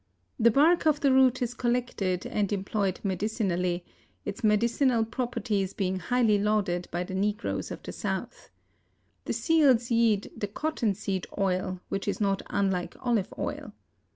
The bark of the root is collected and employed medicinally, its medicinal properties being highly lauded by the negroes of the South. The seeds yield the cottonseed oil, which is not unlike olive oil.